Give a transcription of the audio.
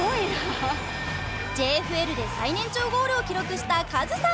ＪＦＬで最年長ゴールを記録したカズさん。